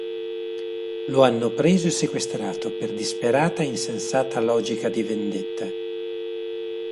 Lo hanno preso e sequestrato, per disperata e insensata logica di vendetta.